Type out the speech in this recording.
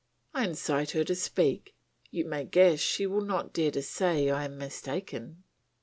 I incite her to speak, you may guess she will not dare to say I am mistaken.